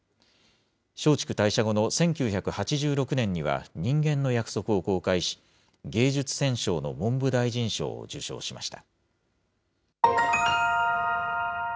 松竹退社後の１９８６年には人間の約束を公開し、芸術選奨の文部大臣賞を受賞しました。